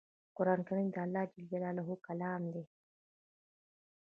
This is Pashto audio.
قران کریم د الله ج کلام دی